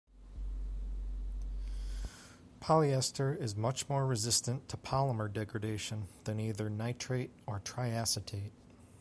Polyester is much more resistant to polymer degradation than either nitrate or triacetate.